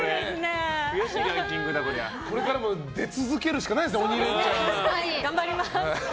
これからも出続けるしかないですね頑張ります。